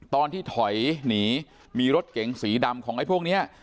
ตอนที่ถอยหนีมีรถเก๋งสีดำของไอ้พวกนี้